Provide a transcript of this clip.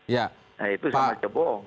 nah itu sama cebong